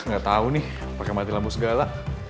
gak tau nih pake mati lampu segala